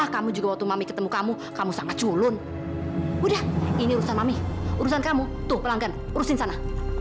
sampai jumpa di video selanjutnya